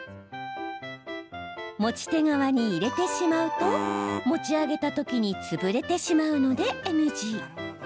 持ち手側に入れてしまうと持ち上げた時に潰れてしまうのでＮＧ。